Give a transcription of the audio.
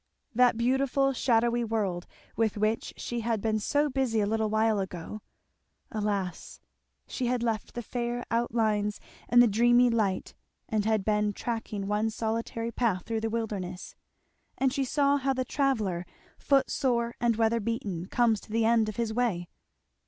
That beautiful shadowy world with which she had been so busy a little while ago, alas! she had left the fair outlines and the dreamy light and had been tracking one solitary path through the wilderness, and she saw how the traveller foot sore and weather beaten comes to the end of his way.